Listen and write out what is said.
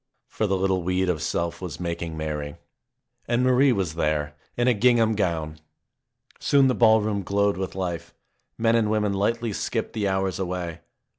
For the little weed of self was making merry. And Marie was there in a gingham gown ! Soon the ballroom glowed with life. Men and women lightly skipped the hours away.